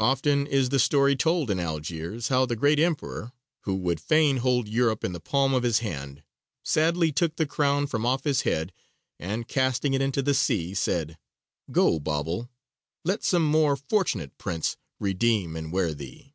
Often is the story told in Algiers how the great Emperor, who would fain hold Europe in the palm of his hand, sadly took the crown from off his head and casting it into the sea said, "Go, bauble: let some more fortunate prince redeem and wear thee."